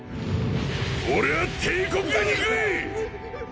俺ぁ帝国が憎い‼